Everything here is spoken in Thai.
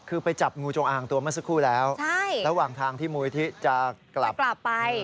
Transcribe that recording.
คือไปจับงูจงอางตัวมาสักครู่แล้วระหว่างทางที่มุยที่จะกลับไป